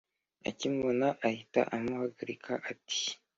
akimubona ahita amuhagarika ati”